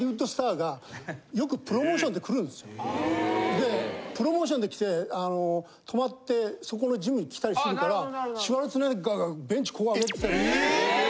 でプロモーションで来て泊まってそこのジムに来たりするからシュワルツェネッガーがベンチこう上げてたり。え！